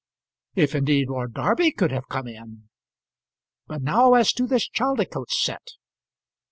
If, indeed, Lord Derby could have come in! But now as to this Chaldicotes set.